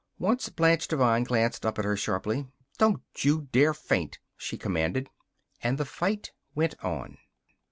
Once Blanche Devine glanced up at her sharply. "Don't you dare faint!" she commanded. And the fight went on.